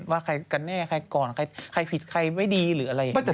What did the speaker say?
ว่าใครกันแน่ใครก่อนใครผิดใครไม่ดีหรืออะไรอย่างนี้